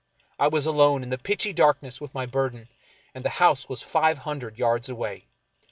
I was alone in the pitchy darkness with my burden, and the house was five hundred yards away.